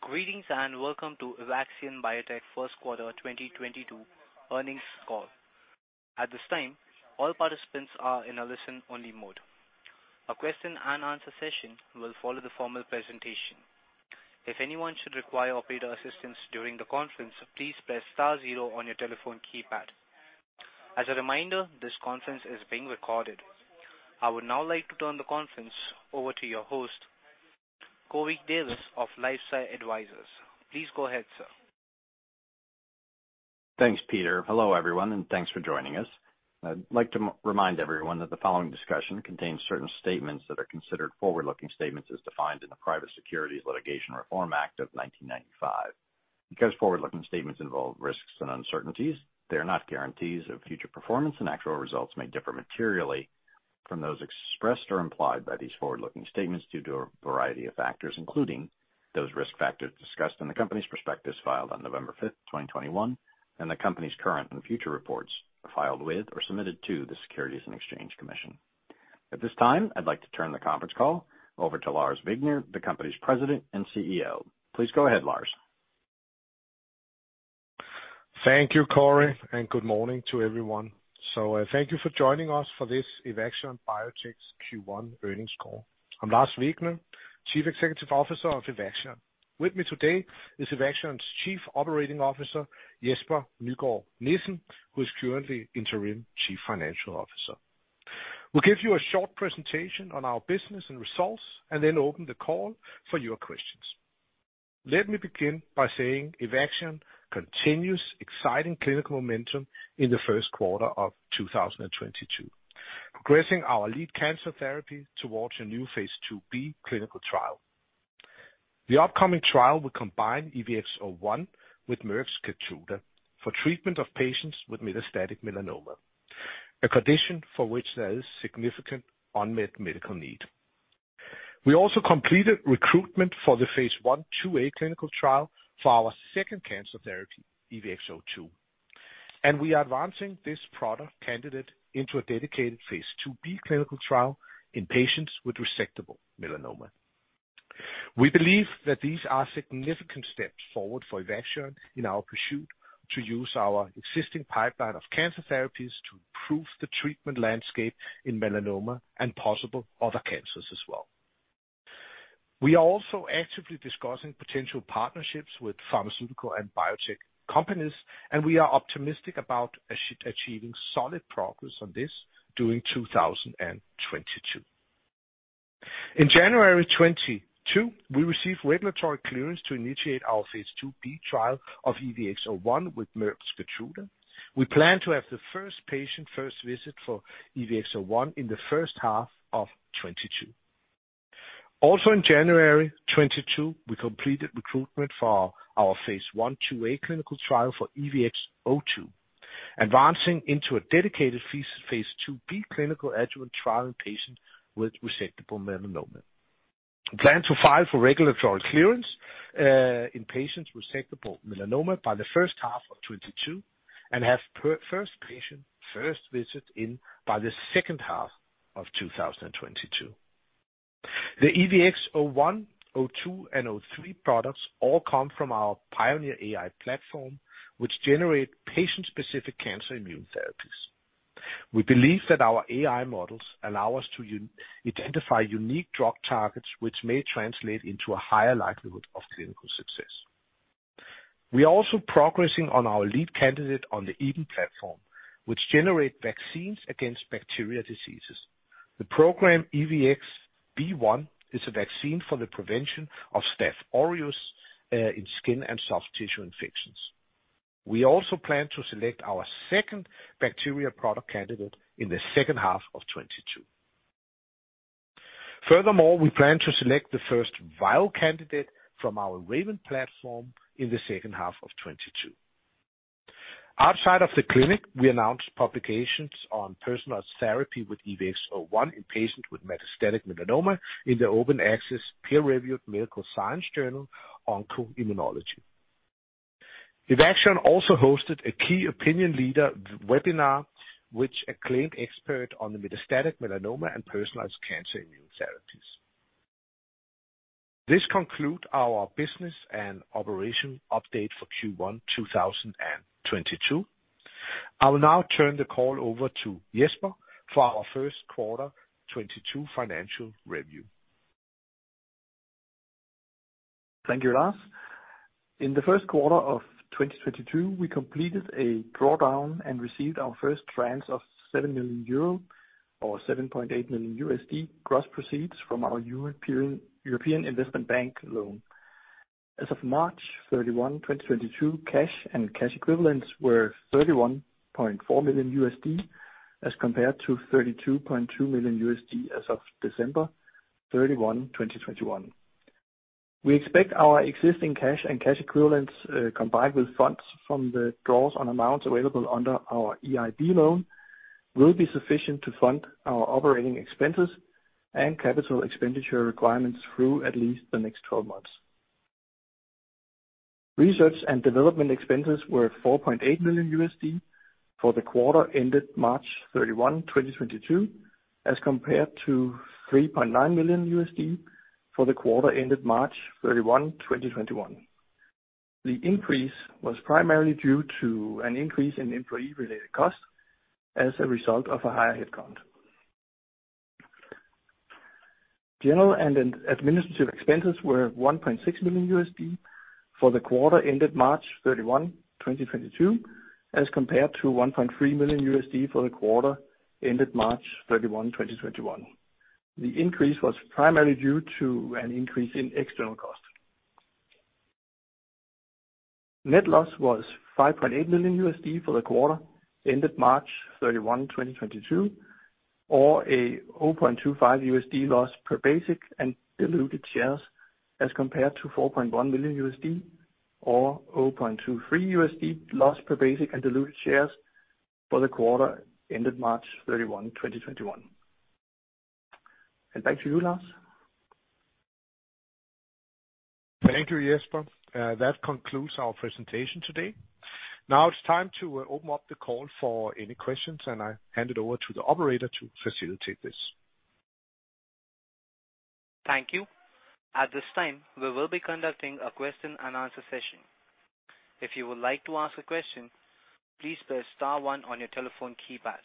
Greetings, and welcome to Evaxion Biotech first quarter 2022 earnings call. At this time, all participants are in a listen-only mode. A question-and-answer session will follow the formal presentation. If anyone should require operator assistance during the conference, please press star zero on your telephone keypad. As a reminder, this conference is being recorded. I would now like to turn the conference over to your host, Corey Davis of LifeSci Advisors. Please go ahead, sir. Thanks, Peter. Hello, everyone, and thanks for joining us. I'd like to remind everyone that the following discussion contains certain statements that are considered forward-looking statements as defined in the Private Securities Litigation Reform Act of 1995. Because forward-looking statements involve risks and uncertainties, they are not guarantees of future performance, and actual results may differ materially from those expressed or implied by these forward-looking statements due to a variety of factors, including those risk factors discussed in the company's prospectus filed on November 5, 2021, and the company's current and future reports are filed with or submitted to the Securities and Exchange Commission. At this time, I'd like to turn the conference call over to Lars Wegner, the company's President and CEO. Please go ahead, Lars. Thank you, Corey, and good morning to everyone. Thank you for joining us for this Evaxion Biotech's Q1 earnings call. I'm Lars Wegner, Chief Executive Officer of Evaxion. With me today is Evaxion's Chief Operating Officer, Jesper Nyegaard Nissen, who is currently Interim Chief Financial Officer. We'll give you a short presentation on our business and results, and then open the call for your questions. Let me begin by saying Evaxion continues exciting clinical momentum in the first quarter of 2022, progressing our lead cancer therapy towards a new Phase 2B clinical trial. The upcoming trial will combine EVX-01 with Merck's KEYTRUDA for treatment of patients with metastatic melanoma, a condition for which there is significant unmet medical need. We also completed recruitment for the Phase 1/2A clinical trial for our second cancer therapy, EVX-02, and we are advancing this product candidate into a dedicated Phase 2B clinical trial in patients with resectable melanoma. We believe that these are significant steps forward for Evaxion in our pursuit to use our existing pipeline of cancer therapies to improve the treatment landscape in melanoma and possible other cancers as well. We are also actively discussing potential partnerships with pharmaceutical and biotech companies, and we are optimistic about achieving solid progress on this during 2022. In January 2022, we received regulatory clearance to initiate our Phase 2B trial of EVX-01 with Merck's KEYTRUDA. We plan to have the first patient first visit for EVX-01 in the first half of 2022. Also in January 2022, we completed recruitment for our Phase 1/2A clinical trial for EVX-02, advancing into a dedicated Phase 2B clinical adjuvant trial in patients with resectable melanoma. We plan to file for regulatory clearance in patients with resectable melanoma by the first half of 2022 and have our first patient first visit in by the second half of 2022. The EVX-01/02 and 03 products all come from our PIONEER AI platform, which generate patient-specific cancer immune therapies. We believe that our AI models allow us to identify unique drug targets which may translate into a higher likelihood of clinical success. We are also progressing on our lead candidate on the EDEN platform, which generate vaccines against bacterial diseases. The program EVX-B1 is a vaccine for the prevention of Staph aureus in skin and soft tissue infections. We also plan to select our second bacteria product candidate in the second half of 2022. Furthermore, we plan to select the first viral candidate from our RAVEN platform in the second half of 2022. Outside of the clinic, we announced publications on personalized therapy with EVX-01 in patients with metastatic melanoma in the open access peer-reviewed medical science journal, OncoImmunology. Evaxion also hosted a key opinion leader webinar with acclaimed expert on the metastatic melanoma and personalized cancer immune therapies. This conclude our business and operation update for Q1 2022. I will now turn the call over to Jesper for our first quarter 2022 financial review. Thank you, Lars. In the first quarter of 2022, we completed a drawdown and received our first tranche of 7 million euro or $7.8 million gross proceeds from our European Investment Bank loan. As of March 31, 2022, cash and cash equivalents were $31.4 million as compared to $32.2 million as of December 31, 2021. We expect our existing cash and cash equivalents, combined with funds from the draws on amounts available under our EIB loan, will be sufficient to fund our operating expenses and capital expenditure requirements through at least the next 12 months. Research and development expenses were $4.8 million for the quarter ended March 31, 2022, as compared to $3.9 million for the quarter ended March 31, 2021. The increase was primarily due to an increase in employee-related costs as a result of a higher headcount. General and administrative expenses were $1.6 million for the quarter ended March 31, 2022, as compared to $1.3 million for the quarter ended March 31, 2021. The increase was primarily due to an increase in external costs. Net loss was $5.8 million for the quarter ended March 31, 2022, or a $0.25 loss per basic and diluted shares, as compared to $4.1 million or $0.23 loss per basic and diluted shares for the quarter ended March 31, 2021. Back to you, Lars. Thank you, Jesper. That concludes our presentation today. Now it's time to open up the call for any questions, and I hand it over to the operator to facilitate this. Thank you. At this time, we will be conducting a question-and-answer session. If you would like to ask a question, please press star one on your telephone keypad.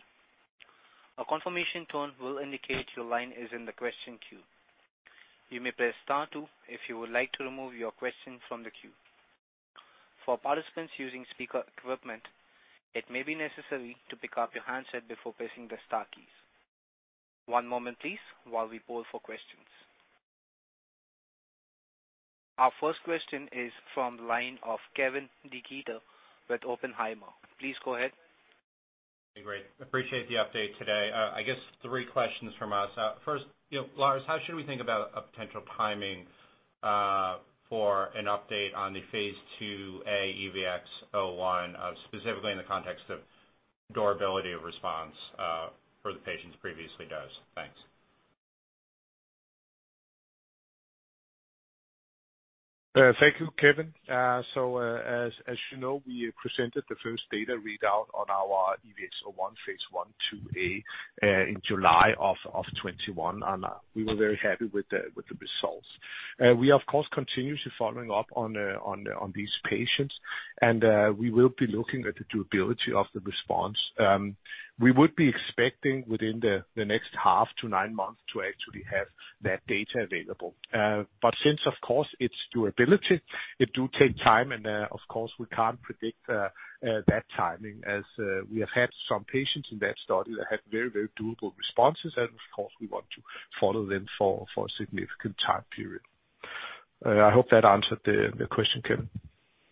A confirmation tone will indicate your line is in the question queue. You may press star two if you would like to remove your question from the queue. For participants using speaker equipment, it may be necessary to pick up your handset before pressing the star keys. One moment please while we poll for questions. Our first question is from the line of Kevin DeGeeter with Oppenheimer. Please go ahead. Great. Appreciate the update today. I guess three questions from us. First, you know, Lars, how should we think about a potential timing for an update on the Phase 2A EVX-01, specifically in the context of durability of response for the patients previously dosed? Thanks. Thank you, Kevin. As you know, we presented the first data readout on our EVX-01 Phase 1/2A in July 2021, and we were very happy with the results. We of course continue to following up on these patients and we will be looking at the durability of the response. We would be expecting within the next half to nine months to actually have that data available. Since of course it's durability, it do take time and of course we can't predict that timing as we have had some patients in that study that had very durable responses and of course we want to follow them for a significant time period. I hope that answered the question, Kevin.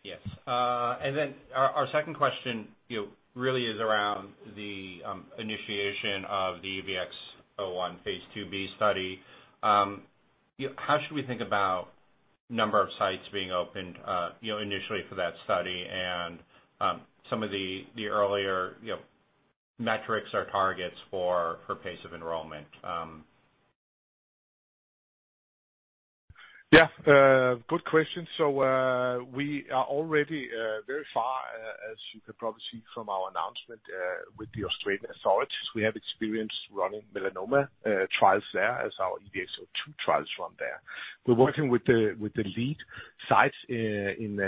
Yes. Our second question, you know, really is around the initiation of the EVX-01 Phase 2B study. You know, how should we think about number of sites being opened, you know, initially for that study and some of the earlier, you know, metrics or targets for per pace of enrollment? Yeah. Good question. We are already very far, as you can probably see from our announcement, with the Australian authorities. We have experience running melanoma trials there as our EVX-02 trials run there. We're working with the lead sites in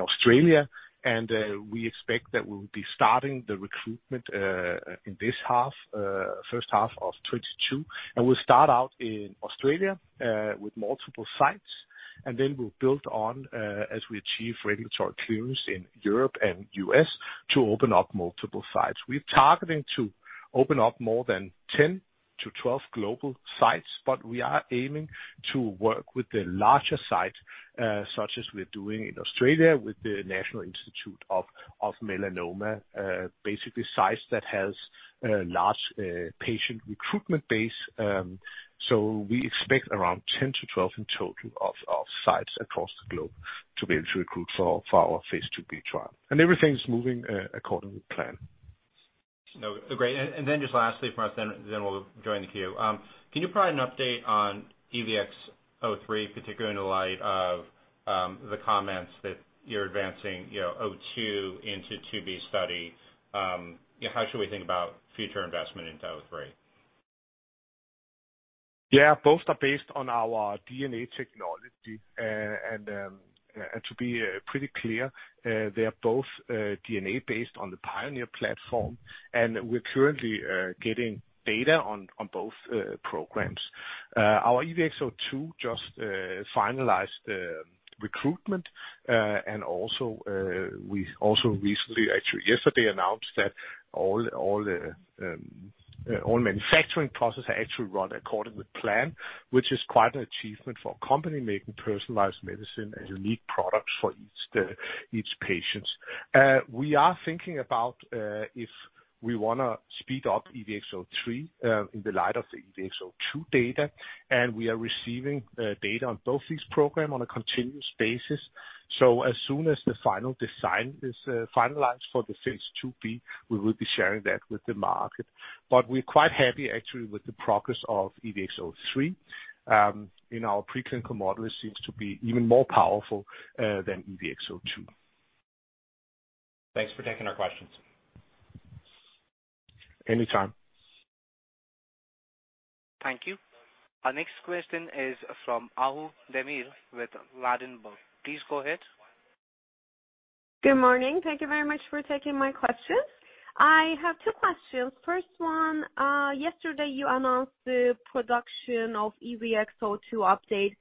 Australia, and we expect that we will be starting the recruitment in the first half of 2022. We'll start out in Australia with multiple sites, and then we'll build on as we achieve regulatory clearance in Europe and U.S. to open up multiple sites. We're targeting to open up more than 10-12 global sites, but we are aiming to work with the larger site, such as we're doing in Australia with the Melanoma Institute Australia. Basically sites that has a large patient recruitment base. We expect around 10-12 in total of sites across the globe to be able to recruit for our Phase 2B trial. Everything's moving according to plan. No. Great. Then just lastly from us, then we'll join the queue. Can you provide an update on EVX-03, particularly in the light of, the comments that you're advancing, you know, EVX-02 into 2B study? You know, how should we think about future investment into EVX-03? Yeah, both are based on our DNA technology. To be pretty clear, they are both DNA based on the PIONEER platform, and we're currently getting data on both programs. Our EVX-02 just finalized the recruitment, and also we also recently actually yesterday announced that all manufacturing processes are actually running according to plan, which is quite an achievement for a company making personalized medicine and unique products for each patient. We are thinking about if we wanna speed up EVX-03 in the light of the EVX-02 data, and we are receiving data on both these programs on a continuous basis. As soon as the final design is finalized for the Phase 2B, we will be sharing that with the market. We're quite happy actually with the progress of EVX-03. In our preclinical model it seems to be even more powerful than EVX-02. Thanks for taking our questions. Anytime. Thank you. Our next question is from Ahu Demir with Ladenburg. Please go ahead. Good morning. Thank you very much for taking my questions. I have two questions. First one, yesterday you announced the production of EVX-02 update.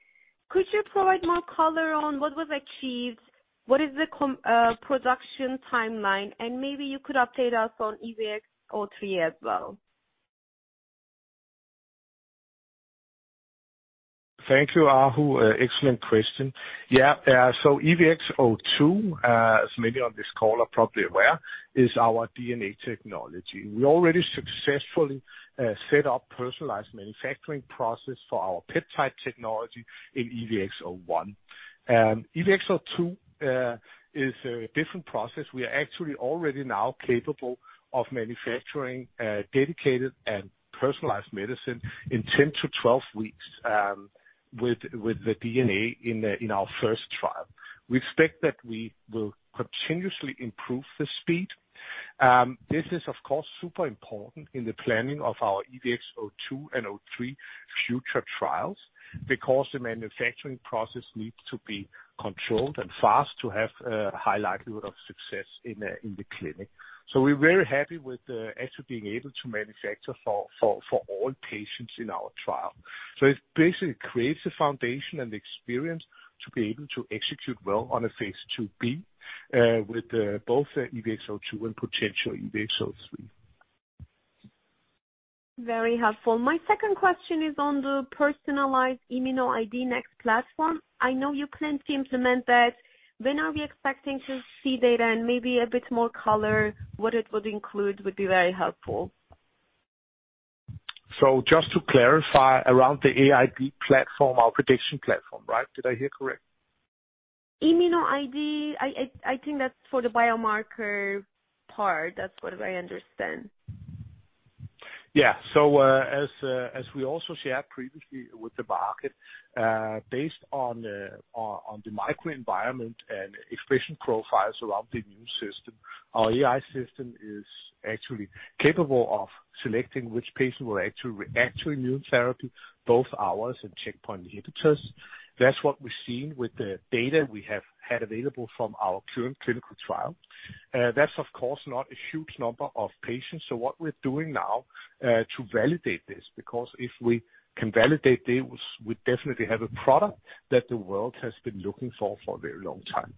Could you provide more color on what was achieved? What is the production timeline? Maybe you could update us on EVX-03 as well. Thank you, Ahu. Excellent question. Yeah. EVX-02, as many on this call are probably aware, is our DNA technology. We already successfully set up personalized manufacturing process for our peptide technology in EVX-01. EVX-02 is a different process. We are actually already now capable of manufacturing dedicated and personalized medicine in 10-12 weeks with the DNA in our first trial. We expect that we will continuously improve the speed. This is, of course, super important in the planning of our EVX-02 and EVX-03 future trials because the manufacturing process needs to be controlled and fast to have a high likelihood of success in the clinic. We're very happy with actually being able to manufacture for all patients in our trial. It basically creates a foundation and experience to be able to execute well on a Phase 2B with both EVX-02 and potential EVX-03. Very helpful. My second question is on the personalized ImmunoID NeXT platform. I know you plan to implement that. When are we expecting to see data? Maybe a bit more color, what it would include would be very helpful. Just to clarify, around the AI platform, our prediction platform, right? Did I hear correct? ImmunoID, I think that's for the biomarker part. That's what I understand. Yeah. As we also shared previously with the market, based on the microenvironment and expression profiles around the immune system, our AI system is actually capable of selecting which patient will actually react to immune therapy, both ours and checkpoint inhibitors. That's what we've seen with the data we have had available from our current clinical trial. That's of course not a huge number of patients. What we're doing now to validate this, because if we can validate this, we definitely have a product that the world has been looking for a very long time.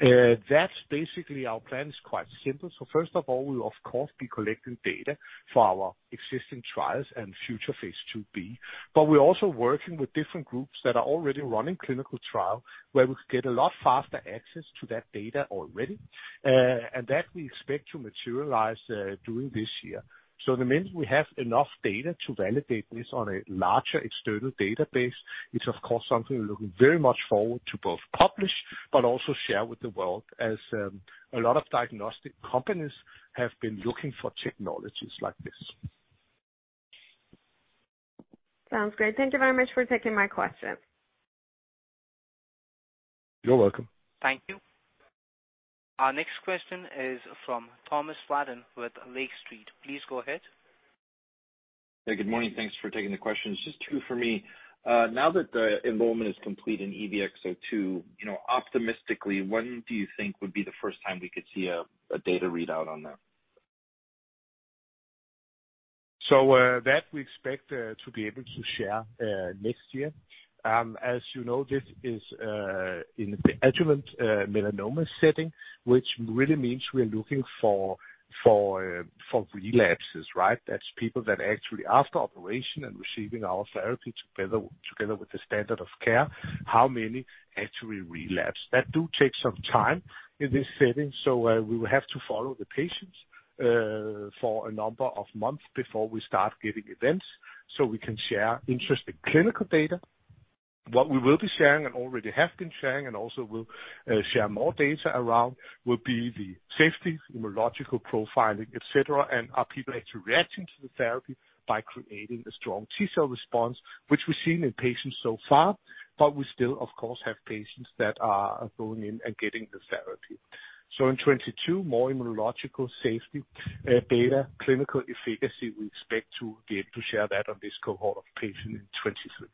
That's basically our plan. It's quite simple. First of all, we will of course be collecting data for our existing trials and future Phase 2B. We're also working with different groups that are already running clinical trial where we could get a lot faster access to that data already that we expect to materialize during this year. The minute we have enough data to validate this on a larger external database, it's of course something we're looking very much forward to both publish but also share with the world, as a lot of diagnostic companies have been looking for technologies like this. Sounds great. Thank you very much for taking my question. You're welcome. Thank you. Our next question is from Thomas Flaten with Lake Street. Please go ahead. Hey, good morning. Thanks for taking the question. It's just two for me. Now that the enrollment is complete in EVX-02, you know, optimistically, when do you think would be the first time we could see a data readout on that? that we expect to be able to share next year. As you know, this is in the adjuvant melanoma setting, which really means we are looking for relapses, right? That's people that actually after operation and receiving our therapy together with the standard of care, how many actually relapse? That do take some time in this setting. We will have to follow the patients for a number of months before we start getting events, so we can share interesting clinical data. What we will be sharing and already have been sharing and also will share more data around will be the safety, immunological profiling, et cetera, and are people actually reacting to the therapy by creating a strong T-cell response, which we've seen in patients so far, but we still, of course, have patients that are going in and getting the therapy. In 2022 more immunological safety data clinical efficacy, we expect to be able to share that on this cohort of patients in 2023.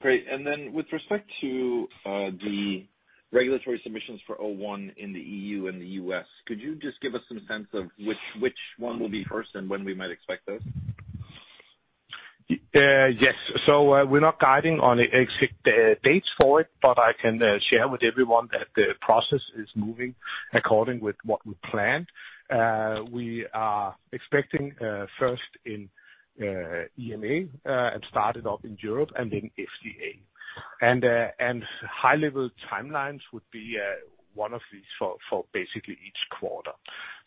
Great. With respect to the regulatory submissions for EVX-01 in the EU and the U.S., could you just give us some sense of which one will be first and when we might expect those? Yes. We're not guiding on the exit dates for it, but I can share with everyone that the process is moving according to what we planned. We are expecting first in EMA and start it up in Europe and then FDA. High-level timelines would be one of these for basically each quarter.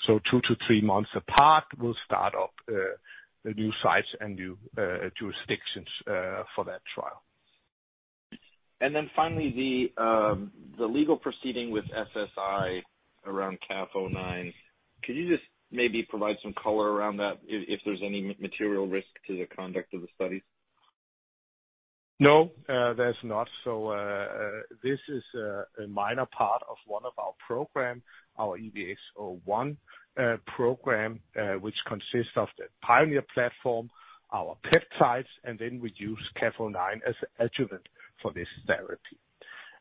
Two to three months apart, we'll start up the new sites and new jurisdictions for that trial. Finally the legal proceeding with SSI around CAF09b. Could you just maybe provide some color around that if there's any material risk to the conduct of the studies? No, there's not. This is a minor part of one of our program, our EVX-01 program, which consists of the PIONEER platform, our peptides, and then we use CAF09b as adjuvant for this therapy.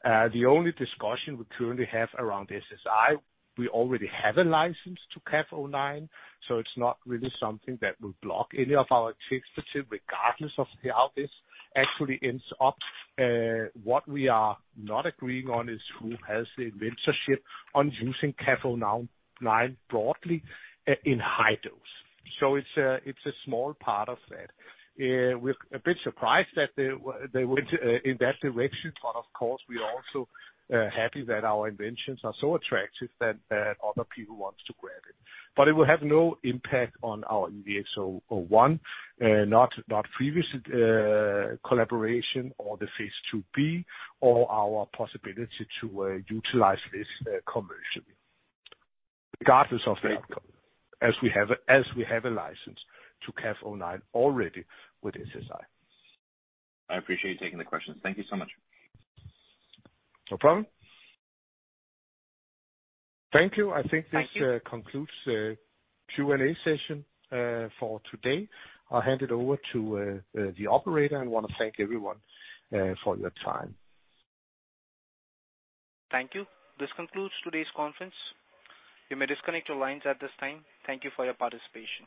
The only discussion we currently have around SSI, we already have a license to CAF09b, so it's not really something that will block any of our activity regardless of how this actually ends up. What we are not agreeing on is who has the inventorship on using CAF09b broadly in high dose. It's a small part of that. We're a bit surprised that they went in that direction, but of course we are also happy that our inventions are so attractive that other people wants to grab it. It will have no impact on our EVX-01, not previous collaboration or the Phase 2B or our possibility to utilize this commercially. Regardless of the outcome, as we have a license to CAF09b already with SSI. I appreciate you taking the question. Thank you so much. No problem. Thank you. Thank you. Concludes Q&A session for today. I'll hand it over to the operator, and wanna thank everyone for your time. Thank you. This concludes today's conference. You may disconnect your lines at this time. Thank you for your participation.